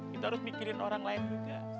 kita harus mikirin orang lain juga